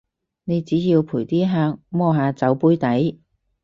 你只要陪啲客摸下酒杯底